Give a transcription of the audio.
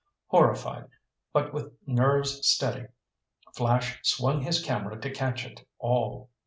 Horrified, but with nerves steady, Flash swung his camera to catch it all.